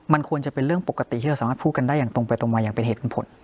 มันควรจะเป็นเรื่องปกติที่เราสามารถพูดกันได้อย่างตรงไปตรงมาอย่างเป็นเหตุเป็นผล